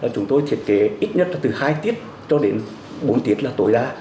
chúng tôi thiết kế ít nhất là từ hai tiết cho đến bốn tiết là tối đa